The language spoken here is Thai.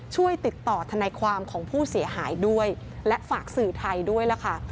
ช่วยติดต่อทนายความของผู้เสียหายด้วยและฝากสื่อไทยด้วยล่ะค่ะ